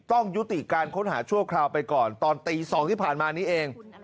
ต้องยุติการค้นหาชั่วคราวไปก่อนตอนตี๒ที่ผ่านมานี้เอง